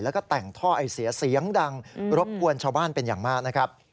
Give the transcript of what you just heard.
แล้วก็แต่งท่อไอเสียเสียงดังรบกวนชาวบ้านเป็นอย่างมากนะครับ